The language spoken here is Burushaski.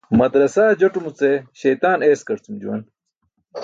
Madarasaa jotumuce śeytaan eeskarcum juwan.